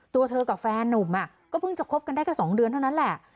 ตัวเธอกับแฟนนุ่มก็เพิ่งจะคบกันได้แค่๒เดือนเท่านั้นแหละ